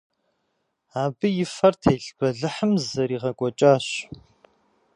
Абы и фэр телъ бэлыхьым зэригъэкӏуэкӏащ.